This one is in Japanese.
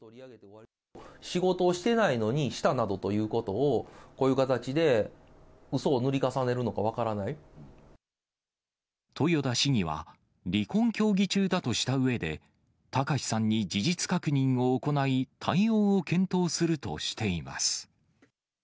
仕事をしていないのにしたなどということを、こういう形で、豊田市議は、離婚協議中だとしたうえで、貴志さんに事実確認を行い、対応を検討するとしています。